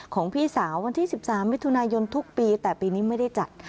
ของพี่สาววันที่๑๓มิถุนายนทุกปีแต่ปีนี้ไม่ได้จัด